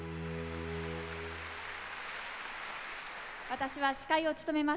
私は司会を務めます